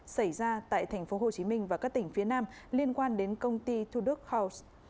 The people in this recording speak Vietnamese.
xảy ra tại tp hcm và các tỉnh phía nam liên quan đến công ty thu đức house